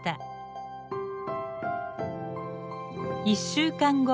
１週間後。